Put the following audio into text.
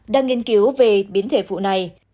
đang nghiên cứu về biến thể vụ này